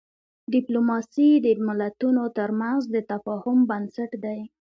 ډیپلوماسي د ملتونو ترمنځ د تفاهم بنسټ دی.